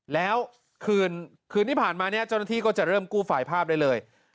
แล้วคืนที่ผ่านมาเนี่ยเจ้าหน้าที่ก็จะเริ่มกู้ไฟล์ภาพได้เลย